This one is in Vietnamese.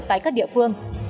tại các địa phương